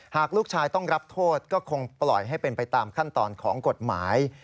หากลูกชายต้องรับโทษก็คงปล่อยให้เป็นไปตามขั้นตอนของกฎหมาย